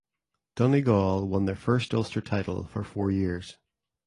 Donegal won their first Ulster title for four years.